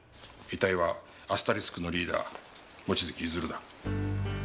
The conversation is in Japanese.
遺体はアスタリスクのリーダー望月譲だ。